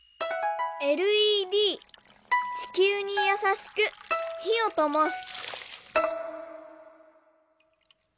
「ＬＥＤ地球にやさしくひをともす」。